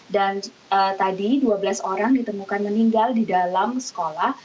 tadi dua belas orang ditemukan meninggal di dalam sekolah